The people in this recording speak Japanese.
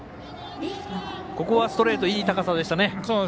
ここはストレートいい高さでしたね。